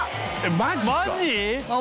マジ？